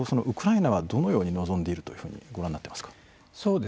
ウクライナはどのように臨んでいるとご覧になっていますか？